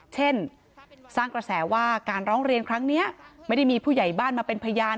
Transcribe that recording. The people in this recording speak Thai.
เช่นสร้างกระแสว่าการร้องเรียนครั้งนี้ไม่ได้มีผู้ใหญ่บ้านมาเป็นพยาน